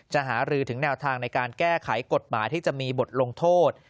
หารือถึงแนวทางในการแก้ไขกฎหมายที่จะมีบทลงโทษ